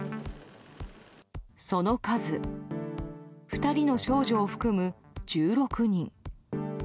その数、２人の少女を含む１６人。